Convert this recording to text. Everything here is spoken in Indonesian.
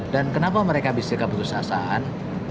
dan kenapa mereka bisa keputus asaan